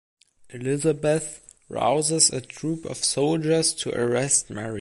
Elizabeth rouses a troop of soldiers to arrest Mary.